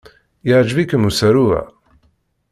Yeɛjeb-ikem usaru-a?